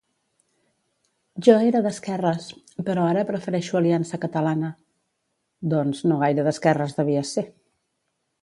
Jo era d'esquerres, però ara prefereixo Aliança Catalana.